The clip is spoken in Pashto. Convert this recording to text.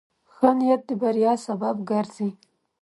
ښه نیت د بریا سبب ګرځي.